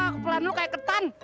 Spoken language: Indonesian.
kepelan lo kayak ketan